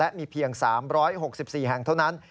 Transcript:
และมีเพียง๓๖๔แห่งเท่านั้น